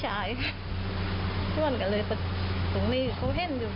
จากวันไม่ใครถูก